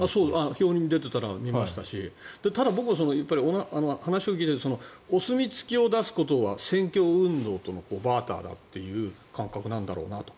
表に出ていたのを見ましたし僕は話を聞いていたらお墨付きを出すことは選挙運動とのバーターという感覚なんだろうと。